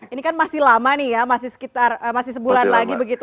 ini kan masih lama nih ya masih sekitar masih sebulan lagi begitu